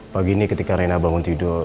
pagi ini ketika rena bangun tidur